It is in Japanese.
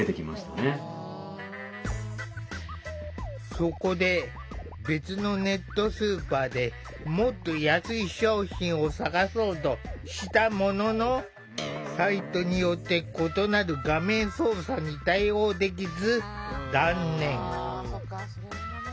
そこで別のネットスーパーでもっと安い商品を探そうとしたもののサイトによって異なる画面操作に対応できず断念。